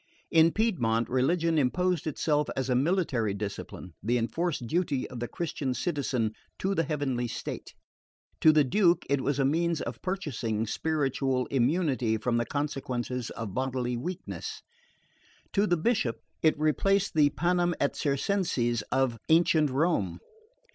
In Piedmont religion imposed itself as a military discipline, the enforced duty of the Christian citizen to the heavenly state; to the Duke it was a means of purchasing spiritual immunity from the consequences of bodily weakness; to the Bishop, it replaced the panem et circenses of ancient Rome.